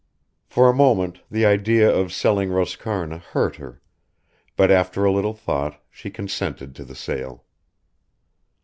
For a moment the idea of selling Roscarna hurt her, but after a little thought she consented to the sale.